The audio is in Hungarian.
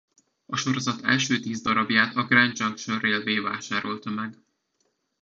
A sorozat első tíz darabját a Grand Junction Railway vásárolta meg.